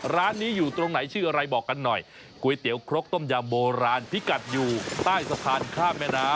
ร้านนี้อยู่ตรงไหนชื่ออะไรบอกกันหน่อยก๋วยเตี๋ยวครกต้มยำโบราณพิกัดอยู่ใต้สะพานข้ามแม่น้ำ